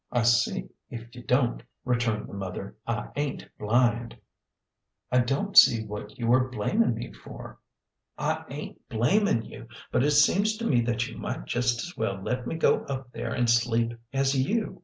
"I see, if you don't," returned the mother. " I ain't blind." "I don't see what you are blaming me for." " I ain't blamin' you, but it seems to me that you might jest as well let me go up there an' sleep as you."